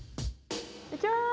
いきます！